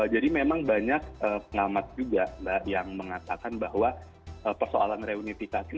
jadi memang banyak pengamat juga yang mengatakan bahwa persoalan reunifikasi